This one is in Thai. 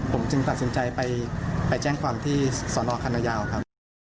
ผมจึงตัดสินใจไปแจ้งความที่สอนอคณะยาวครับ